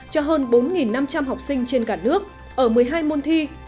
cho hơn bốn năm trăm linh học sinh trên cả nước ở một mươi hai môn thi